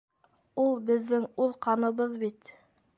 Ул беҙҙең үҙ ҡаныбыҙ бит.